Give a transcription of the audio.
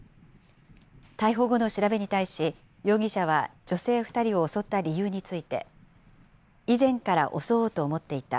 逮捕後の調べに対し、容疑者は女性２人を襲った理由について、以前から襲おうと思っていた。